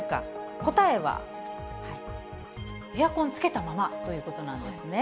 答えはエアコンつけたままということなんですね。